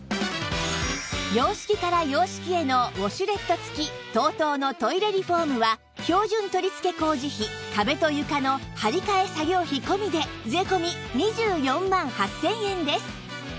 洋式から洋式へのウォシュレット付き ＴＯＴＯ のトイレリフォームは標準取り付け工事費壁と床の張り替え作業費込みで税込２４万８０００円です